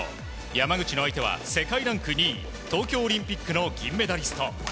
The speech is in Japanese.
山口の相手は世界ランク２位東京オリンピックの銀メダリスト。